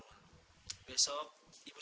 deng stage yang kelima